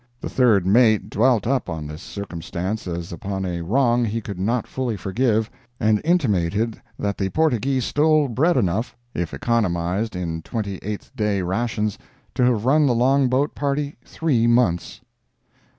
The third mate dwelt up on this circumstance as upon a wrong he could not fully forgive, and intimated that the Portyghee stole bread enough, if economised in twenty eighth day rations, to have run the long boat party three months.